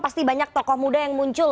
pasti banyak tokoh muda yang muncul